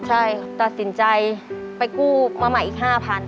ใช่ตัดสินใจไปกู้มาใหม่อีก๕๐๐